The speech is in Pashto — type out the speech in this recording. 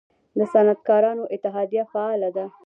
د صنعتکارانو اتحادیه فعال ده؟